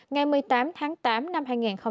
ngày một mươi tám tháng tám năm hai nghìn hai mươi ba